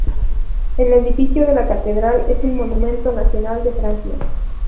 El edificio de la catedral es un monumento nacional de Francia.